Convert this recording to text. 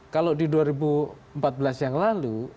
kalau di dua ribu empat belas yang lalu